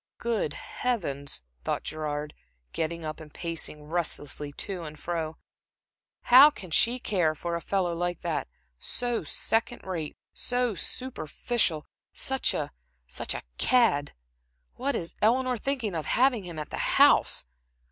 "Good Heavens," thought Gerard, getting up and pacing restlessly to and fro "how can she care for a fellow like that so second rate, so superficial, such a such a cad? What is Eleanor thinking of to have him at the house?